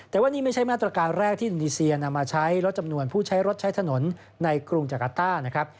แต่ว่านี่ไม่ใช่มาตรการแรกที่อินโดนีเซียนำมาใช้ลดจำนวนผู้ใช้รถใช้ถนนในกรุงจักรต้านะครับ